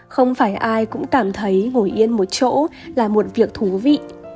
không phải ai cũng cảm thấy ngồi yên một chỗ là một việc thú vị